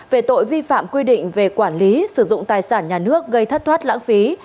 về tội vi phạm quy định về quản lý sử dụng tài sản nhà nước gây thất thoát lãng phí